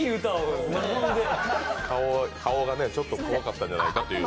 顔がちょっと怖かったんじゃないかという。